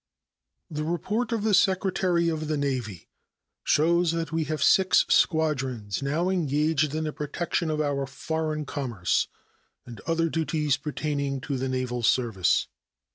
The report of the Secretary of the Navy shows that we have six squadrons now engaged in the protection of our foreign commerce and other duties pertaining to the naval service.